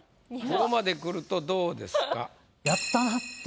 ここまでくるとどうですか？